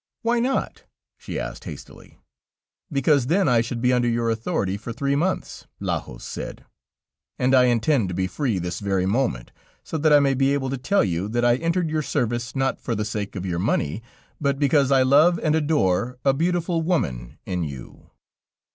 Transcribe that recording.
"Why not?" she asked hastily. "Because then I should be under your authority for three months," Lajos said, "and I intend to be free, this very moment, so that I may be able to tell you that I entered your service, not for the sake of your money, but because I love and adore a beautiful woman in you."